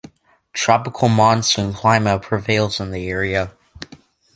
Tropical monsoon climate prevails in the area.